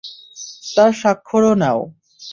তার স্বাক্ষরও নাও।